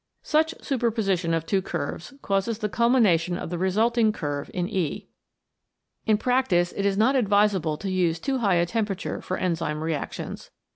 00C Such superposition of two curves causes the culmination of the resulting curve in E. In prac tice it is not advisable to use too high a temperature for enzyme reactions.